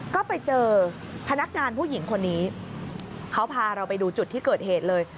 ก็ไปเจอพนักงานผู้หญิงคนนี้เขาพาเราไปดูจุดที่เกิดเหตุเลย